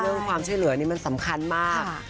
เรื่องความช่วยเหลือนี้มันสำคัญมาก